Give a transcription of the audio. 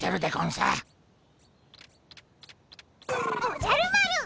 おじゃる丸！